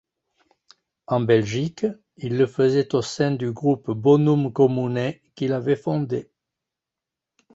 En Belgique il le faisait au sein du groupe 'Bonum Commune' qu'il avait fondé.